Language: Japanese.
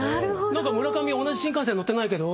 「何か村上同じ新幹線乗ってないけど」